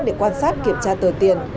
để quan sát kiểm tra tờ tiền